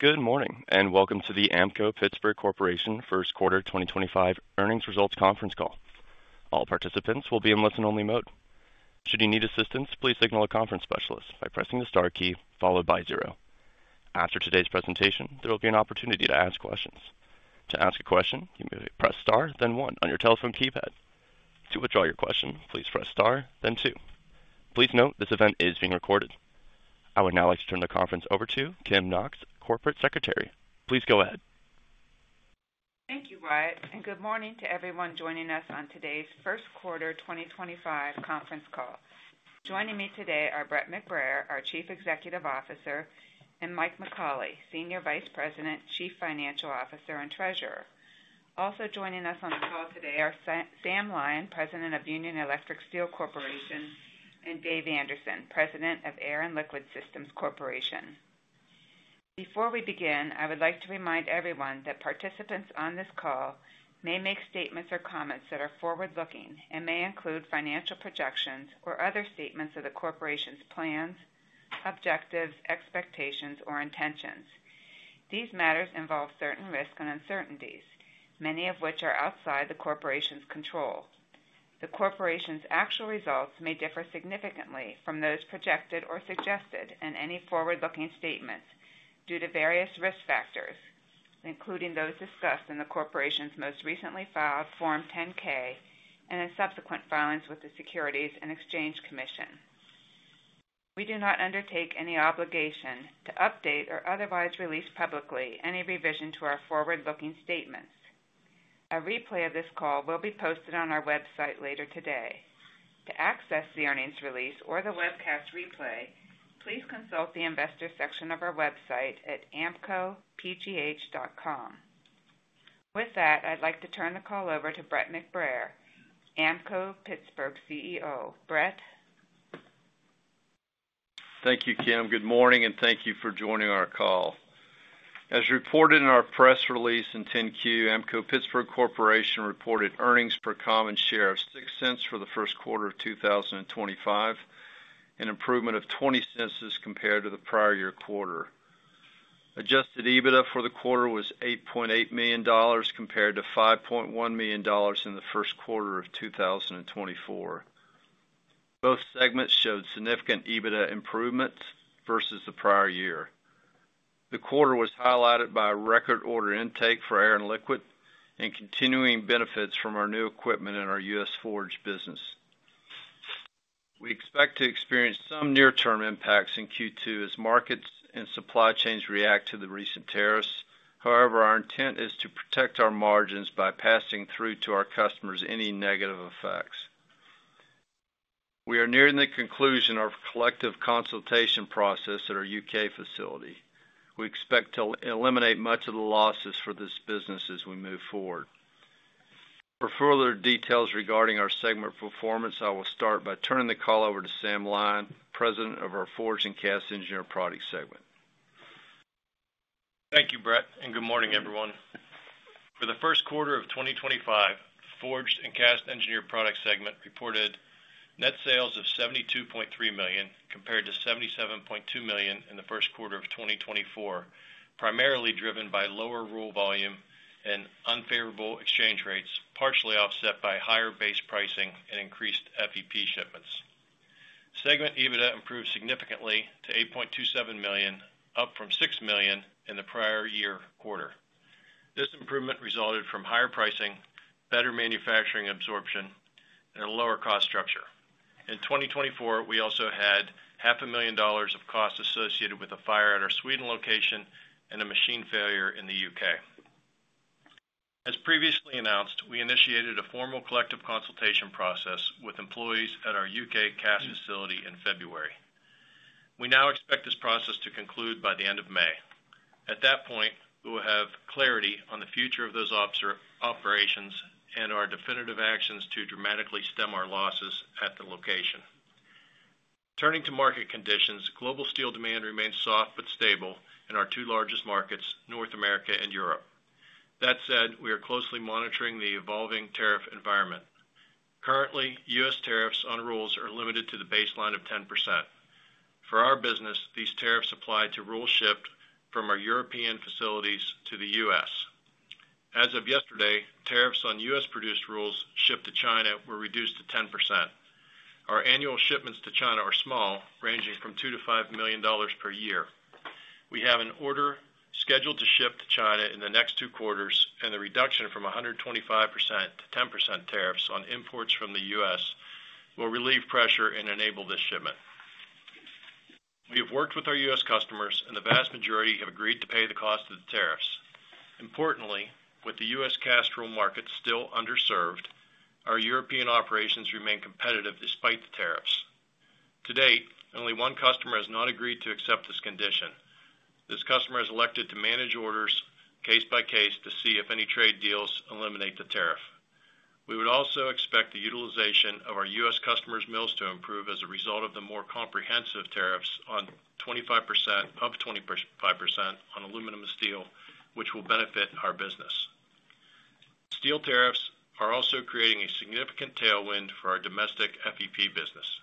Good morning and welcome to the Ampco-Pittsburgh Corporation first quarter 2025 earnings results conference call. All participants will be in listen-only mode. Should you need assistance, please signal a conference specialist by pressing the star key followed by zero. After today's presentation, there will be an opportunity to ask questions. To ask a question, you may press star, then one on your telephone keypad. To withdraw your question, please press star, then two. Please note this event is being recorded. I would now like to turn the conference over to Kim Knox, Corporate Secretary. Please go ahead. Thank you, Bryant, and good morning to everyone joining us on today's first quarter 2025 conference call. Joining me today are Brett McBrayer, our Chief Executive Officer, and Mike McAuley, Senior Vice President, Chief Financial Officer, and Treasurer. Also joining us on the call today are Sam Lyon, President of Union Electric Steel Corporation, and Dave Anderson, President of Air & Liquid Systems Corporation. Before we begin, I would like to remind everyone that participants on this call may make statements or comments that are forward-looking and may include financial projections or other statements of the corporation's plans, objectives, expectations, or intentions. These matters involve certain risks and uncertainties, many of which are outside the corporation's control. The corporation's actual results may differ significantly from those projected or suggested in any forward-looking statements due to various risk factors, including those discussed in the corporation's most recently filed Form 10-K and in subsequent filings with the Securities and Exchange Commission. We do not undertake any obligation to update or otherwise release publicly any revision to our forward-looking statements. A replay of this call will be posted on our website later today. To access the earnings release or the webcast replay, please consult the investor section of our website at ampcophgh.com. With that, I'd like to turn the call over to Brett McBrayer, Ampco-Pittsburgh CEO. Brett. Thank you, Kim. Good morning and thank you for joining our call. As reported in our press release and 10-Q, Ampco-Pittsburgh Corporation reported earnings per common share of $0.06 for the first quarter of 2025, an improvement of $0.20 compared to the prior year quarter. Adjusted EBITDA for the quarter was $8.8 million compared to $5.1 million in the first quarter of 2024. Both segments showed significant EBITDA improvements versus the prior year. The quarter was highlighted by record-order intake for Air & Liquid and continuing benefits from our new equipment in our U.S. forged business. We expect to experience some near-term impacts in Q2 as markets and supply chains react to the recent tariffs. However, our intent is to protect our margins by passing through to our customers any negative effects. We are nearing the conclusion of our collective consultation process at our U.K. facility. We expect to eliminate much of the losses for this business as we move forward. For further details regarding our segment performance, I will start by turning the call over to Sam Lyon, President of our Forge and Cast Engineer Product Segment. Thank you, Brett, and good morning, everyone. For the first quarter of 2025, the Forge and Cast Engineer Product Segment reported net sales of $72.3 million compared to $77.2 million in the first quarter of 2024, primarily driven by lower roll volume and unfavorable exchange rates, partially offset by higher base pricing and increased FEP shipments. Segment EBITDA improved significantly to $8.27 million, up from $6 million in the prior year quarter. This improvement resulted from higher pricing, better manufacturing absorption, and a lower cost structure. In 2024, we also had $500,000 of cost associated with a fire at our Sweden location and a machine failure in the U.K. As previously announced, we initiated a formal collective consultation process with employees at our U.K. cast facility in February. We now expect this process to conclude by the end of May. At that point, we will have clarity on the future of those operations and our definitive actions to dramatically stem our losses at the location. Turning to market conditions, global steel demand remains soft but stable in our two largest markets, North America and Europe. That said, we are closely monitoring the evolving tariff environment. Currently, U.S. tariffs on rolls are limited to the baseline of 10%. For our business, these tariffs apply to rolls shipped from our European facilities to the U.S. As of yesterday, tariffs on U.S.-produced rolls shipped to China were reduced to 10%. Our annual shipments to China are small, ranging from $2 million-$5 million per year. We have an order scheduled to ship to China in the next two quarters, and the reduction from 125% to 10% tariffs on imports from the U.S. will relieve pressure and enable this shipment. We have worked with our U.S. customers, and the vast majority have agreed to pay the cost of the tariffs. Importantly, with the U.S. cast roll market still underserved, our European operations remain competitive despite the tariffs. To date, only one customer has not agreed to accept this condition. This customer has elected to manage orders case by case to see if any trade deals eliminate the tariff. We would also expect the utilization of our U.S. customers' mills to improve as a result of the more comprehensive tariffs of 25% on aluminum and steel, which will benefit our business. Steel tariffs are also creating a significant tailwind for our domestic FEP business.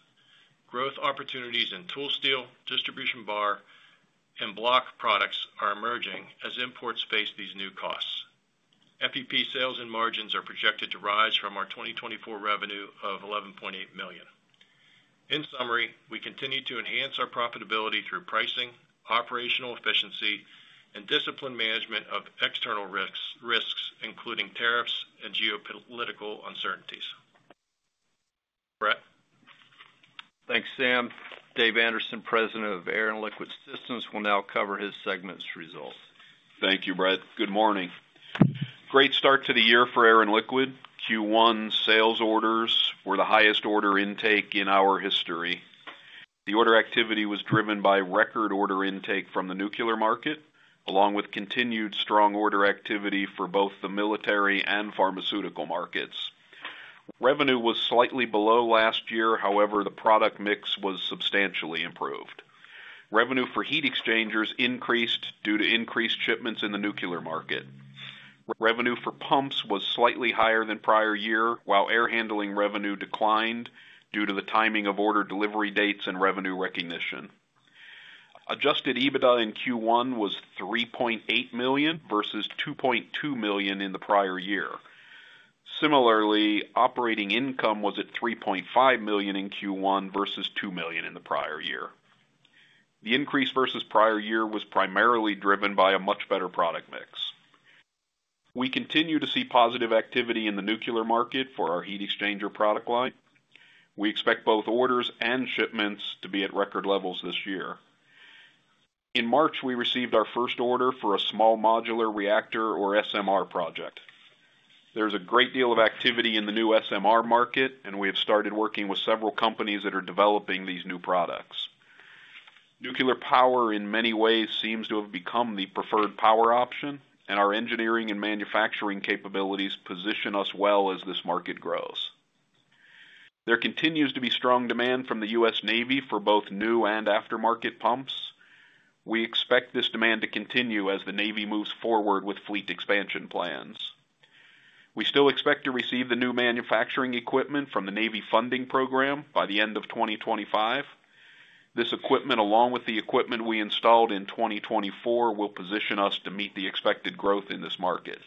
Growth opportunities in tool steel, distribution bar, and block products are emerging as imports face these new costs. FEP sales and margins are projected to rise from our 2024 revenue of $11.8 million. In summary, we continue to enhance our profitability through pricing, operational efficiency, and disciplined management of external risks, including tariffs and geopolitical uncertainties. Brett. Thanks, Sam. Dave Anderson, President of Air & Liquid Systems, will now cover his segment's results. Thank you, Brett. Good morning. Great start to the year for Air & Liquid. Q1 sales orders were the highest order intake in our history. The order activity was driven by record order intake from the nuclear market, along with continued strong order activity for both the military and pharmaceutical markets. Revenue was slightly below last year. However, the product mix was substantially improved. Revenue for heat exchangers increased due to increased shipments in the nuclear market. Revenue for pumps was slightly higher than prior year, while air handling revenue declined due to the timing of order delivery dates and revenue recognition. Adjusted EBITDA in Q1 was $3.8 million versus $2.2 million in the prior year. Similarly, operating income was at $3.5 million in Q1 versus $2 million in the prior year. The increase versus prior year was primarily driven by a much better product mix. We continue to see positive activity in the nuclear market for our heat exchanger product line. We expect both orders and shipments to be at record levels this year. In March, we received our first order for a small modular reactor or SMR project. There is a great deal of activity in the new SMR market, and we have started working with several companies that are developing these new products. Nuclear power, in many ways, seems to have become the preferred power option, and our engineering and manufacturing capabilities position us well as this market grows. There continues to be strong demand from the U.S. Navy for both new and aftermarket pumps. We expect this demand to continue as the Navy moves forward with fleet expansion plans. We still expect to receive the new manufacturing equipment from the Navy funding program by the end of 2025. This equipment, along with the equipment we installed in 2024, will position us to meet the expected growth in this market.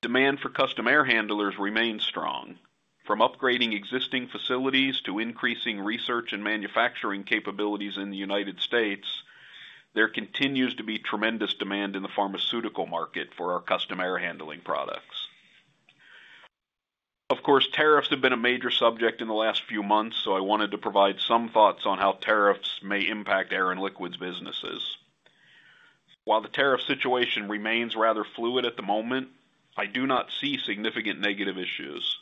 Demand for custom air handlers remains strong. From upgrading existing facilities to increasing research and manufacturing capabilities in the United States, there continues to be tremendous demand in the pharmaceutical market for our custom air handling products. Of course, tariffs have been a major subject in the last few months, so I wanted to provide some thoughts on how tariffs may impact Air & Liquid's businesses. While the tariff situation remains rather fluid at the moment, I do not see significant negative issues.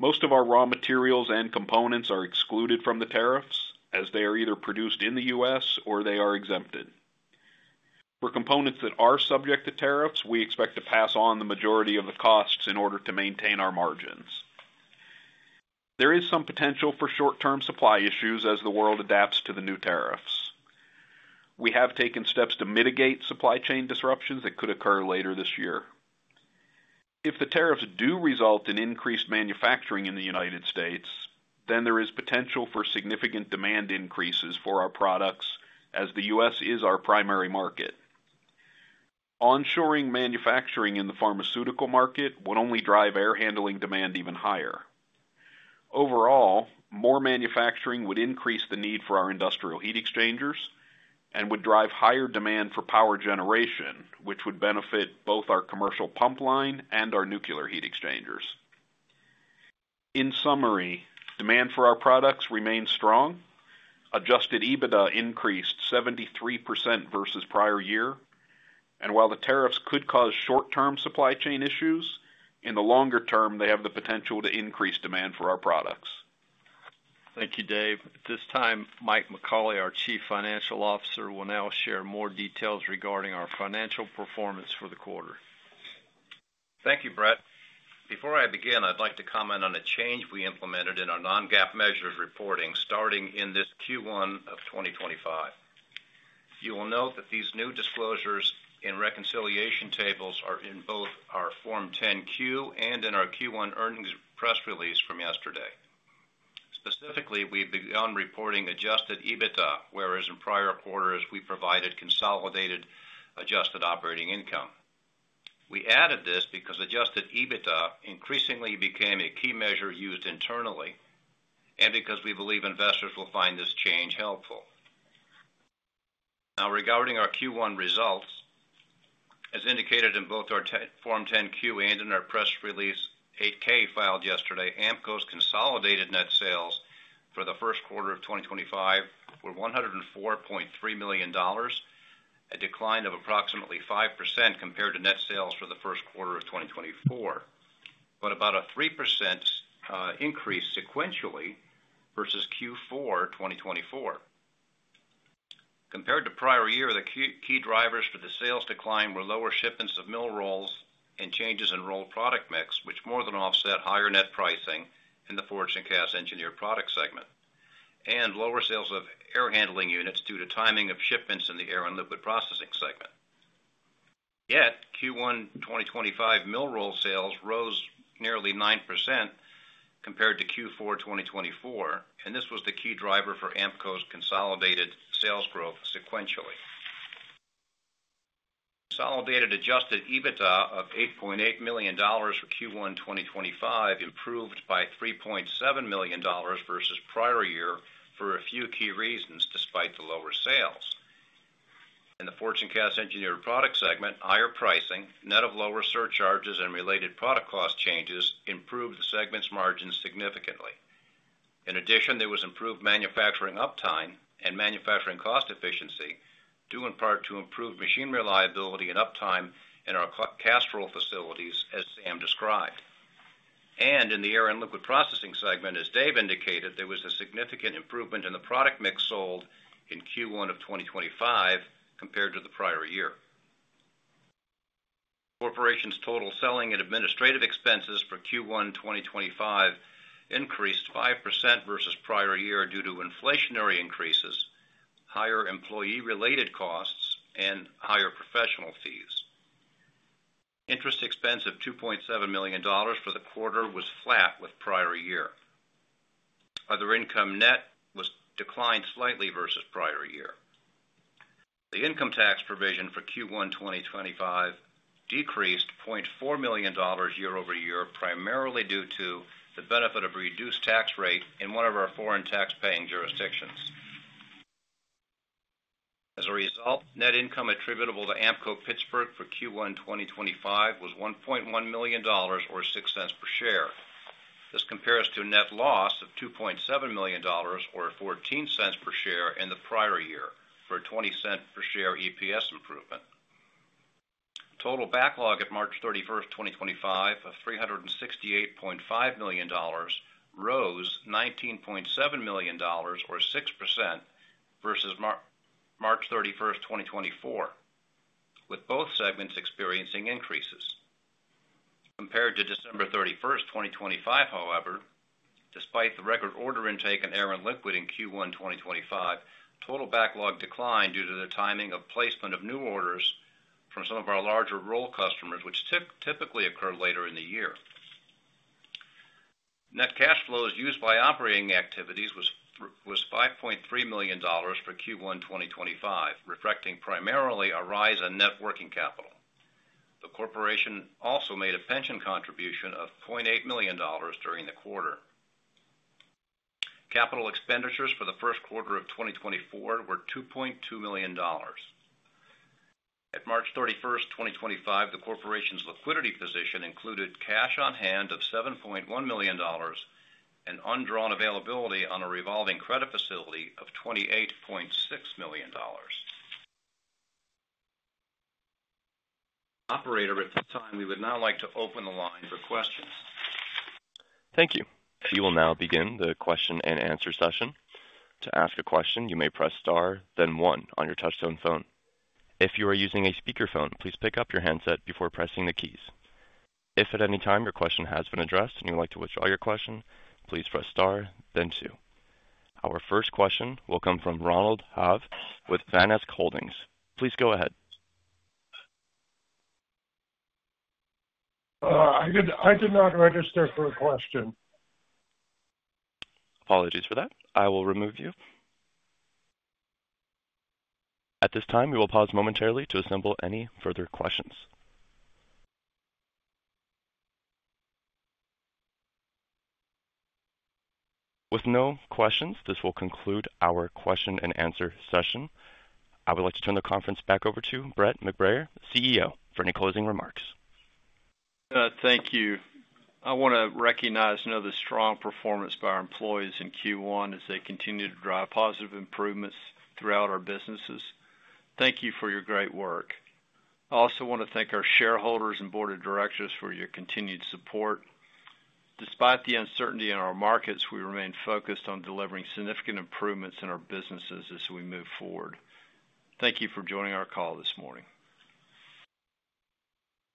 Most of our raw materials and components are excluded from the tariffs as they are either produced in the U.S. or they are exempted. For components that are subject to tariffs, we expect to pass on the majority of the costs in order to maintain our margins. There is some potential for short-term supply issues as the world adapts to the new tariffs. We have taken steps to mitigate supply chain disruptions that could occur later this year. If the tariffs do result in increased manufacturing in the United States, then there is potential for significant demand increases for our products as the U.S. is our primary market. Onshoring manufacturing in the pharmaceutical market would only drive air handling demand even higher. Overall, more manufacturing would increase the need for our industrial heat exchangers and would drive higher demand for power generation, which would benefit both our commercial pump line and our nuclear heat exchangers. In summary, demand for our products remains strong. Adjusted EBITDA increased 73% versus prior year. While the tariffs could cause short-term supply chain issues, in the longer term, they have the potential to increase demand for our products. Thank you, Dave. At this time, Mike McAuley, our Chief Financial Officer, will now share more details regarding our financial performance for the quarter. Thank you, Brett. Before I begin, I'd like to comment on a change we implemented in our non-GAAP measures reporting starting in this Q1 of 2025. You will note that these new disclosures and reconciliation tables are in both our Form 10-Q and in our Q1 earnings press release from yesterday. Specifically, we began reporting adjusted EBITDA, whereas in prior quarters we provided consolidated adjusted operating income. We added this because adjusted EBITDA increasingly became a key measure used internally and because we believe investors will find this change helpful. Now, regarding our Q1 results, as indicated in both our Form 10-Q and in our press release Form 8-K filed yesterday, Ampco-Pittsburgh's consolidated net sales for the first quarter of 2025 were $104.3 million, a decline of approximately 5% compared to net sales for the first quarter of 2024, but about a 3% increase sequentially versus Q4 2024. Compared to prior year, the key drivers for the sales decline were lower shipments of mill rolls and changes in roll product mix, which more than offset higher net pricing in the forge and cast engineered product segment, and lower sales of air handling units due to timing of shipments in the air and liquid processing segment. Yet, Q1 2025 mill roll sales rose nearly 9% compared to Q4 2024, and this was the key driver for Ampco's consolidated sales growth sequentially. Consolidated adjusted EBITDA of $8.8 million for Q1 2025 improved by $3.7 million versus prior year for a few key reasons despite the lower sales. In the forge and cast engineered product segment, higher pricing, net of lower surcharges and related product cost changes improved the segment's margins significantly. In addition, there was improved manufacturing uptime and manufacturing cost efficiency due in part to improved machine reliability and uptime in our cast roll facilities, as Sam described. In the air and liquid processing segment, as Dave indicated, there was a significant improvement in the product mix sold in Q1 2025 compared to the prior year. The corporation's total selling and administrative expenses for Q1 2025 increased 5% versus prior year due to inflationary increases, higher employee-related costs, and higher professional fees. Interest expense of $2.7 million for the quarter was flat with prior year. Other income net declined slightly versus prior year. The income tax provision for Q1 2025 decreased $0.4 million year-over-year, primarily due to the benefit of a reduced tax rate in one of our foreign tax-paying jurisdictions. As a result, net income attributable to Ampco-Pittsburgh for Q1 2025 was $1.1 million or $0.06 per share. This compares to net loss of $2.7 million or $0.14 per share in the prior year for a $0.20 per share EPS improvement. Total backlog at March 31st, 2025, of $368.5 million rose $19.7 million or 6% versus March 31st, 2024, with both segments experiencing increases. Compared to December 31st, 2025, however, despite the record order intake in Air & Liquid in Q1 2025, total backlog declined due to the timing of placement of new orders from some of our larger roll customers, which typically occur later in the year. Net cash flows used by operating activities was $5.3 million for Q1 2025, reflecting primarily a rise in net working capital. The corporation also made a pension contribution of $0.8 million during the quarter. Capital expenditures for the first quarter of 2024 were $2.2 million. At March 31st, 2025, the corporation's liquidity position included cash on hand of $7.1 million and undrawn availability on a revolving credit facility of $28.6 million. Operator, at this time, we would now like to open the line for questions. Thank you. You will now begin the question and answer session. To ask a question, you may press star, then one on your touchstone phone. If you are using a speakerphone, please pick up your handset before pressing the keys. If at any time your question has been addressed and you would like to withdraw your question, please press star, then two. Our first question will come from Ronald Haave with Vanesk Holdings. Please go ahead. I did not register for a question. Apologies for that. I will remove you. At this time, we will pause momentarily to assemble any further questions. With no questions, this will conclude our question and answer session. I would like to turn the conference back over to Brett McBrayer, CEO, for any closing remarks. Thank you. I want to recognize another strong performance by our employees in Q1 as they continue to drive positive improvements throughout our businesses. Thank you for your great work. I also want to thank our shareholders and board of directors for your continued support. Despite the uncertainty in our markets, we remain focused on delivering significant improvements in our businesses as we move forward. Thank you for joining our call this morning.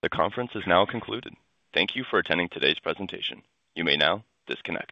The conference is now concluded. Thank you for attending today's presentation. You may now disconnect.